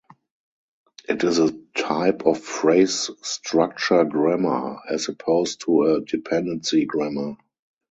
It is a type of phrase structure grammar, as opposed to a dependency grammar.